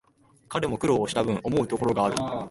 彼も苦労したぶん、思うところがある